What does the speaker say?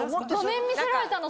画面見せられたの。